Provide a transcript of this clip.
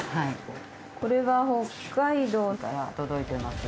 これが北海道から届いてます。